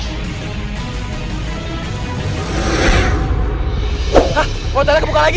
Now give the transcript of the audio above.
hah portalnya kebuka lagi